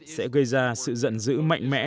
sẽ gây ra sự giận dữ mạnh mẽ